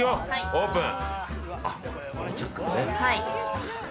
オープン。